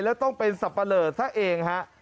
แล้วต้องเป็นสับปะเลอซะเองฮะ